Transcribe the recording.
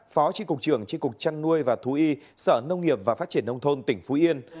phó tri cục trưởng tri cục chăn nuôi và thú y sở nông nghiệp và phát triển nông thôn tỉnh phú yên